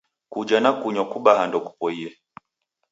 Kujha na kunywa kubaha ndokupoie.